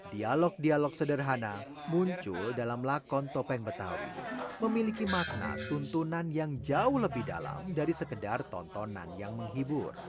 dialog dialog sederhana muncul dalam lakon topeng betawi memiliki makna tuntunan yang jauh lebih dalam dari sekedar tontonan yang menghibur